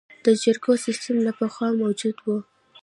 د جرګو سیسټم له پخوا موجود و